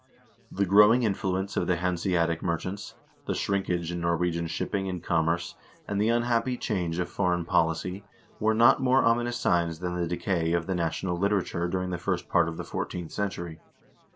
The growing influence of the Ilanscatie merchants, the shrinkage in Nor wegian shipping and commerce, and the unhappy change of foreign policy, were not more ominous signs than the decay of the national literature during the first part of the fourteenth century.